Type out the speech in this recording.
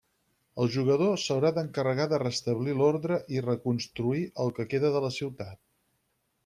El jugador s'haurà d'encarregar de restablir l'ordre i reconstruir el que queda de la ciutat.